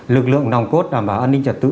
lực lượng nòng cốt đảm bảo an ninh trật tự